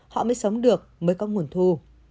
họ mới sống được mới có nguồn thu